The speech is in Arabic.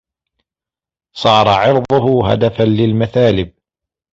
صَارَ عِرْضُهُ هَدَفًا لِلْمَثَالِبِ